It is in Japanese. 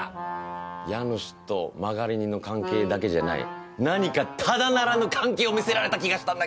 家主と間借り人の関係だけじゃない何かただならぬ関係を見せられた気がしたんだけど。